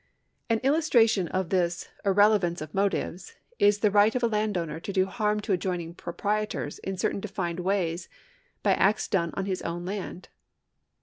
An illustration of this irrelevance of motives is the right of a landowner to do harm to adjoining proprietors in certain defined ways by acts done on his own land.